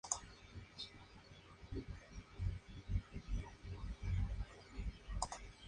Son una pareja que son muy poderosos.